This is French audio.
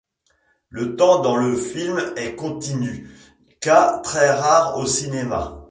Le temps dans le film est continu, cas très rare au cinéma.